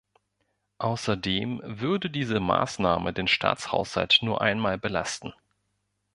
Außerdem würde diese Maßnahme den Staatshaushalt nur einmal belasten.